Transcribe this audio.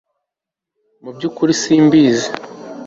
mubyukuri simbizi